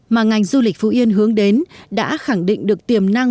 mà ngành du lịch phú yên hướng đến đã khẳng định được tiềm năng